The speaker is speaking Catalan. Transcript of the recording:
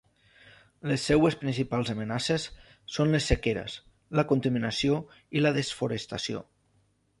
Les seues principals amenaces són les sequeres, la contaminació i la desforestació.